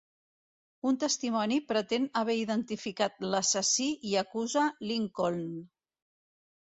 Un testimoni pretén haver identificat l'assassí i acusa Lincoln.